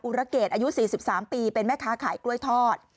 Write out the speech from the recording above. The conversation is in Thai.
ระเกตอายุ๔๓ปีเป็นแม่ค้าขายกล้วยทอด